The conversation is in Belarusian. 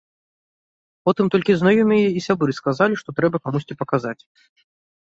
Потым толькі знаёмыя і сябры сказалі, што трэба камусьці паказаць.